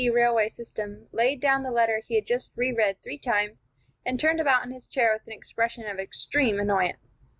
railway system laid down the letter he had just reread three times, and turned about in his chair with an expression of extreme annoyance.